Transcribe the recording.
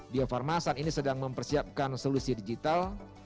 bio farma saat ini sedang mempersiapkan solusi digital